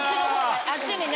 あっちにね